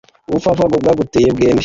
ubupfapfa bwaguteye mwembi